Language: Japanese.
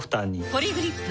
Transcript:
ポリグリップ